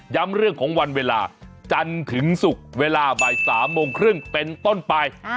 เรื่องของวันเวลาจันทร์ถึงศุกร์เวลาบ่าย๓โมงครึ่งเป็นต้นไป